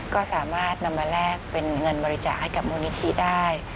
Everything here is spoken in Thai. ก็สามารถนำมาแลกเป็นเงินบริจาคให้กับมูลนิธิได้